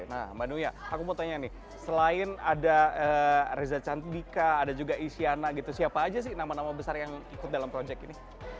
nah mbak nuya aku mau tanya nih selain ada reza cantik dika ada juga isyana gitu siapa aja sih nama nama besar yang ikut dalam proyek ini